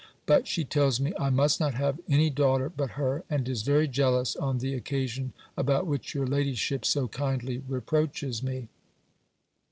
But she tells me, I must not have any daughter but her, and is very jealous on the occasion about which your ladyship so kindly reproaches me.